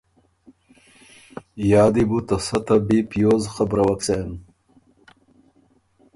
یا دی بُو ته سۀ ته بی پیوز خبرَوَک سېن؟